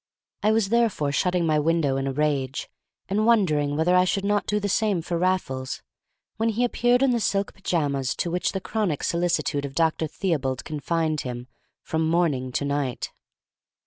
I was therefore shutting my window in a rage, and wondering whether I should not do the same for Raffles, when he appeared in the silk pajamas to which the chronic solicitude of Dr. Theobald confined him from morning to night.